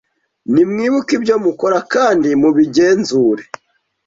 Nimwibuke ibyo mukora kandi mubigenzure